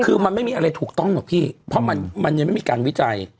คือมันไม่มีอะไรถูกต้องหรอกพี่เพราะมันยังไม่มีการวิจัย